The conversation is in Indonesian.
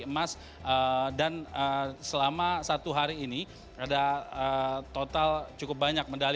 emas dan selama satu hari ini ada total cukup banyak medali